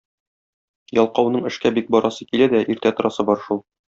Ялкауның эшкә бик барасы килә дә, иртә торасы бар шул.